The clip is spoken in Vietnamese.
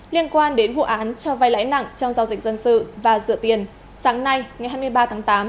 liên quan đến vụ án cho vai lãi nặng trong giao dịch dân sự và dựa tiền sáng nay ngày hai mươi ba tháng tám